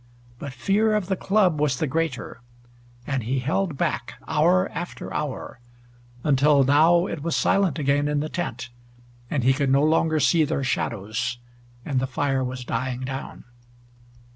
But fear of the club was the greater, and he held back, hour after hour, until now it was silent again in the tent, and he could no longer see their shadows, and the fire was dying down.